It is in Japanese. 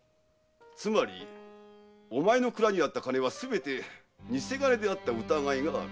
つまりお前の蔵にあった金はすべて偽金だった疑いがある。